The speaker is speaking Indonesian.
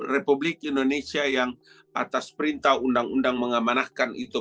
republik indonesia yang atas perintah undang undang mengamanahkan itu